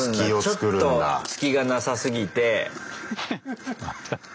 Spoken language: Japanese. ちょっと隙がなさすぎて。